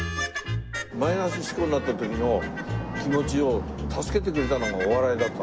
マイナス思考になってる時の気持ちを助けてくれたのがお笑いだったの？